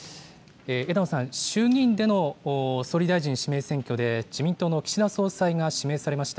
枝野さん、衆議院での総理大臣指名選挙で、自民党の岸田総裁が指名されました。